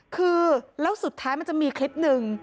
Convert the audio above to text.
คือแล้วสุดท้ายมันจะมีคลิปหนึ่ง